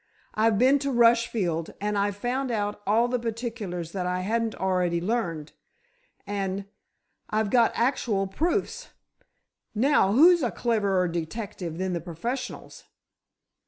I've been to Rushfield and I've found out all the particulars that I hadn't already learned, and—I've got actual proofs! Now, who's a cleverer detective than the professionals?"